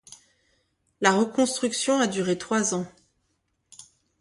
La reconstruction a duré trois ans.